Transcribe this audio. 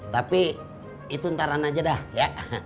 tapi itu ntaran aja dah ya